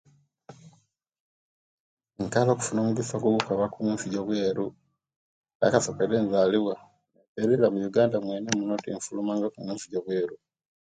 Nkaali okufunaku omugisa gwokwaabaku munsi eyoweeru, nzekasokede nzaaliwa, nebeera mu Uganda mwenemunu tinfulumangaku munsi egyoweeru